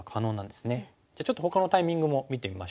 じゃあちょっとほかのタイミングも見てみましょう。